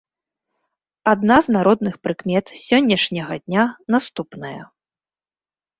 Адна з народных прыкмет сённяшняга дня наступная.